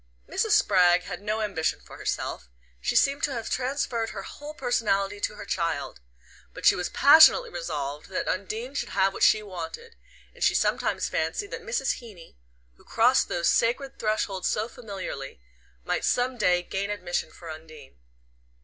Mrs. Spragg had no ambition for herself she seemed to have transferred her whole personality to her child but she was passionately resolved that Undine should have what she wanted, and she sometimes fancied that Mrs. Heeny, who crossed those sacred thresholds so familiarly, might some day gain admission for Undine.